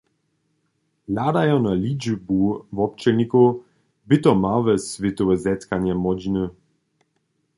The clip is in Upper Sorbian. Hladajo na ličbu wobdźělnikow bě to małe swětowe zetkanje młodźiny.